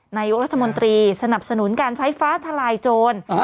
นายกรัฐมนตรีสนับสนุนการใช้ฟ้าทลายโจร